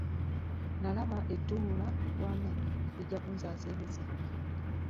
Nalaba ettuulawamu lijja kunzaaza emize.